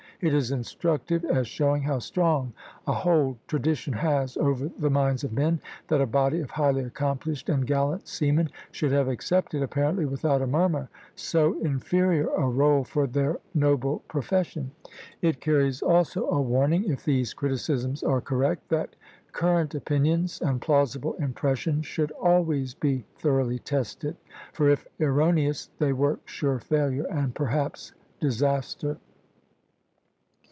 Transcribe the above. It is instructive, as showing how strong a hold tradition has over the minds of men, that a body of highly accomplished and gallant seamen should have accepted, apparently without a murmur, so inferior a rôle for their noble profession. It carries also a warning, if these criticisms are correct, that current opinions and plausible impressions should always be thoroughly tested; for if erroneous they work sure failure, and perhaps disaster.